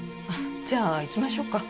じゃあ行きましょうか。